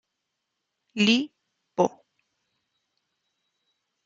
Li Po.